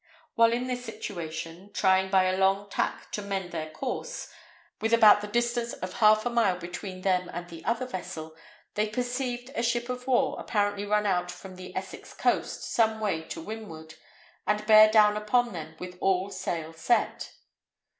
While in this situation, trying by a long tack to mend their course, with about the distance of half a mile between them and the other vessel, they perceived a ship of war apparently run out from the Essex coast some way to windward, and bear down upon them with all sail set.